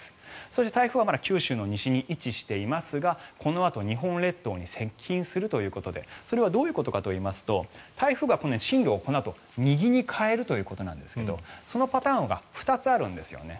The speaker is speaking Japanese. そして、台風はまだ九州の西に位置していますがこのあと日本列島に接近するということでそれはどういうことかといいますと台風が進路をこのあと右に変えるということなんですがそのパターンが２つあるんですよね。